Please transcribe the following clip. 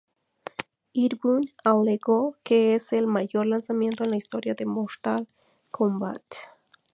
Ed Boon alegó que es ""el mayor lanzamiento en la historia de Mortal Kombat"".